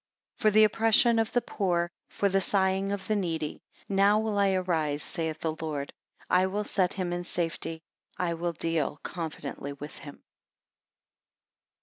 18 For the oppression of the poor, for the sighing of the needy, now will I arise saith the Lord; I will set him in safety, I will deal confidently with him.